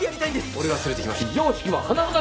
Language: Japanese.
俺が連れてきました。